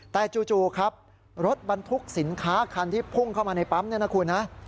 แต่จู่ครับรถบรรทุกสินค้าคันที่พุ่งเข้ามาในปั๊มเนี่ยนะคุณนะ